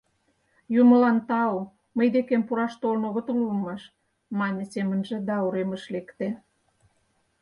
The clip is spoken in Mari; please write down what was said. «Юмылан тау, мый декем пураш толын огытыл улмаш!» — мане семынже да уремыш лекте.